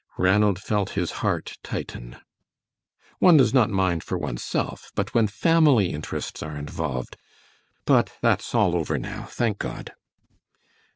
Ranald felt his heart tighten. "One does not mind for one's self, but when family interests are involved but that's all over now, thank God!"